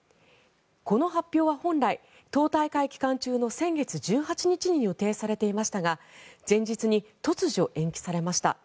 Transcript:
この発表は本来党大会期間中の先月１８日に予定されていましたが前日に突如延期されました。